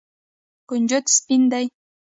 کنجد سپین دي.